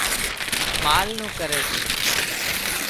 مال نُون ڪري سي